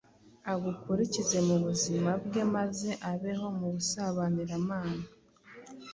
agukurikize mu buzima bwe maze abeho mu busabaniramana.